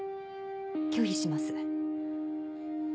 拒否します。